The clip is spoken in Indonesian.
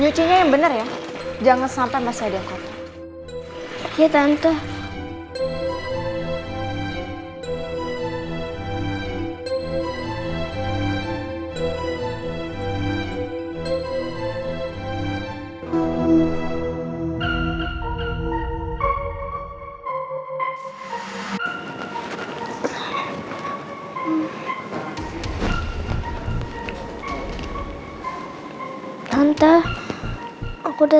nyucinya yang bener ya jangan sampai masih ada yang kotor